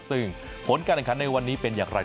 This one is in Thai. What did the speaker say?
ซึ่งผลการแข่งขันในวันนี้เป็นอย่างไร